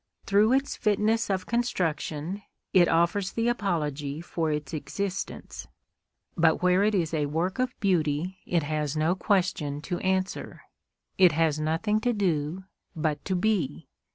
Through its fitness of construction, it offers the apology for its existence. But where it is a work of beauty it has no question to answer; it has nothing to do, but to be.